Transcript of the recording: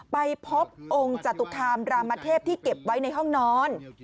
ไปพบองค์จตุคามรามเทพที่เก็บไว้ในห้องนอน